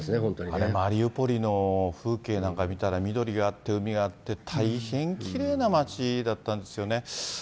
あれ、マリウポリの風景なんか見たら、緑あって、海があって、大変きれいな町だったんですよね。